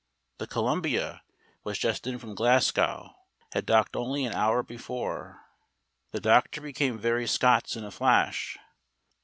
The Columbia was just in from Glasgow had docked only an hour before. The doctor became very Scots in a flash.